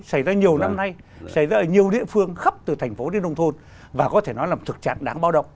xảy ra nhiều năm nay xảy ra ở nhiều địa phương khắp từ thành phố đến nông thôn và có thể nói là một thực trạng đáng bao động